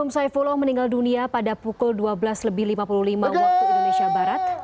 saifullah meninggal dunia pada pukul dua belas lima puluh lima wib